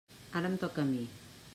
Ara em toca a mi.